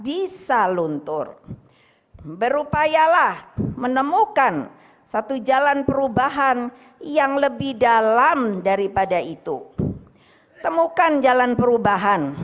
inilah amanatku kepada mu sekalian